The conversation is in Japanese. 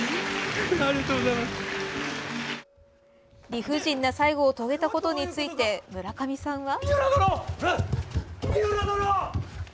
理不尽な最期を遂げたことについて村上さんは。